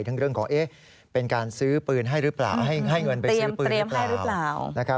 เรื่องของเป็นการซื้อปืนให้หรือเปล่าให้เงินไปซื้อปืนหรือเปล่า